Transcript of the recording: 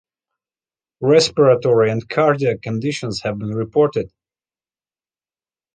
Respiratory and cardiac conditions have been reported.